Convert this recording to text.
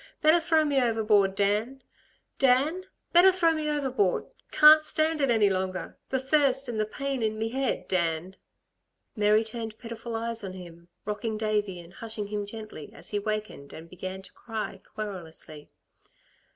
Better throw me overboard, Dan. Dan? Better throw me overboard ... can't stand it any longer. The thirst and the pain in me head, Dan." Mary turned pitiful eyes on him, rocking Davey and hushing him gently, as he wakened and began to cry querulously.